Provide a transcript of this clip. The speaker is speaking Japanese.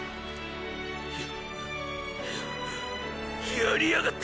やややりやがった！！